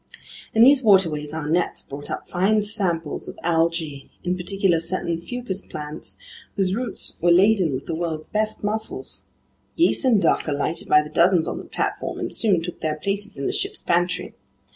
In these waterways our nets brought up fine samples of algae, in particular certain fucus plants whose roots were laden with the world's best mussels. Geese and duck alighted by the dozens on the platform and soon took their places in the ship's pantry.